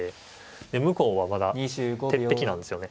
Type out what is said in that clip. で向こうはまだ鉄壁なんですよね。